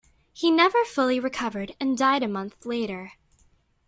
He never fully recovered and died a month later.